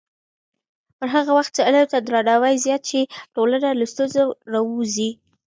پر هغه وخت چې علم ته درناوی زیات شي، ټولنه له ستونزو راووځي.